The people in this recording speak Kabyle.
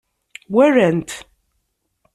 Walan-t.